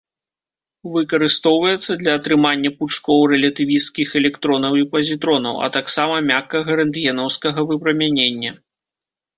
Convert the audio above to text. Выкарыстоўваецца для атрымання пучкоў рэлятывісцкіх электронаў і пазітронаў, а таксама мяккага рэнтгенаўскага выпрамянення.